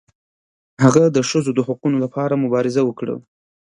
هغه د ښځو د حقونو لپاره مبارزه وکړه.